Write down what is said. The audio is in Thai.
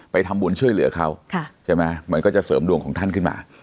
ไปทำบุญช่วยเหลือเขาใช่ไหมมันก็จะเสริมดวงของท่านขึ้นมา